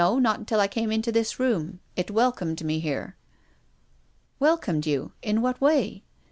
Not until I came into this room. It welcomed me here." " Welcomed you ! In what way